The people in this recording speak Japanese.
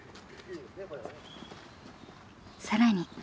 更に。